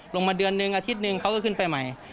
มาเดือนนึงอาทิตย์หนึ่งเขาก็ขึ้นไปใหม่